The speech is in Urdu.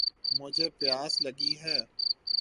مجھے پیاس لگی ہے